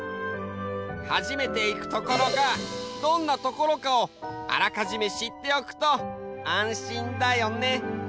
初めていくところがどんなところかをあらかじめしっておくと安心だよね。